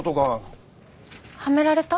はめられた？